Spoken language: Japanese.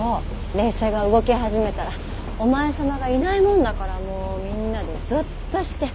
列車が動き始めたらお前様がいないもんだからもうみんなでゾッとして。